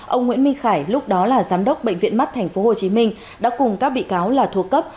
ông nguyễn minh khải lúc đó là giám đốc bệnh viện mắt tp hcm đã cùng các bị cáo là thuộc cấp